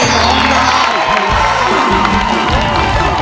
ร้องได้ให้ร้าน